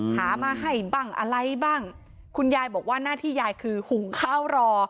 หามาให้บ้างอะไรบ้างคุณยายบอกว่าหน้าที่ยายคือหุงข้าวรอ